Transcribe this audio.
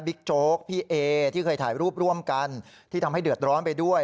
โจ๊กพี่เอที่เคยถ่ายรูปร่วมกันที่ทำให้เดือดร้อนไปด้วย